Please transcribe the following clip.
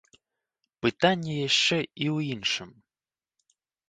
Пытанне яшчэ і ў іншым.